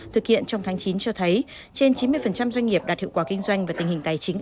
thực hiện trong tháng chín cho thấy trên chín mươi doanh nghiệp đạt hiệu quả kinh doanh và tình hình tài chính